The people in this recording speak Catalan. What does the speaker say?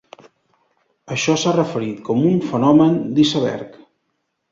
Això s'ha referit com un "fenomen d'iceberg".